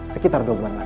sekitar dua bulan lagi